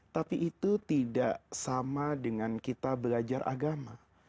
tapi itu tidak sama dengan kita belajar agama